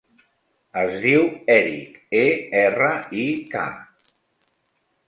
Es diu Erik: e, erra, i, ca.